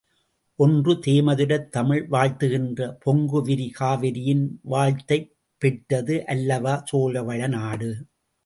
ஒன்று தேமதுரத் தமிழ் வாழ்த்துகின்ற பொங்குவிரி காவிரியின் வாழ்த்தைப் பெற்றது அல்லவா சோழவள நாடு!